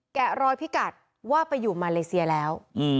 แกะรอยพิกัดว่าไปอยู่มาเลเซียแล้ว